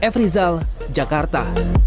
f rizal jakarta